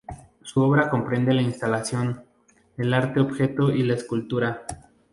Su obra comprende la instalación, el arte objeto y la escultura.